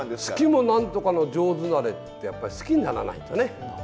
好きもなんとかの上手なれってやっぱり好きにならないとね。